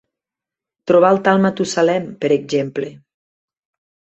Trobar el tal Matusalem, per exemple.